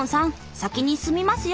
先に進みますよ。